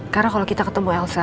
karena kalau kita ketemu elsa